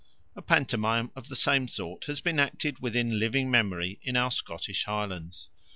A pantomime of the same sort has been acted within the living memory in our Scottish Highlands.